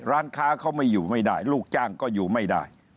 ร้านค้าเขาไม่อยู่ไม่ได้ลูกจ้างก็อยู่ไม่ได้